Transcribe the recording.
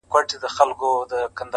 د مسجد په منارو درپسې ژاړم_